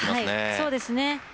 そうですね。